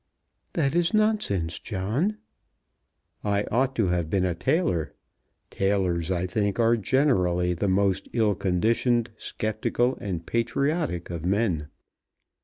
"That is nonsense, John." "I ought to have been a tailor. Tailors, I think, are generally the most ill conditioned, sceptical, and patriotic of men.